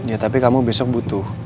ya tapi kamu besok butuh